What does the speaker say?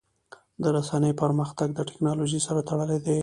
د رسنیو پرمختګ د ټکنالوژۍ سره تړلی دی.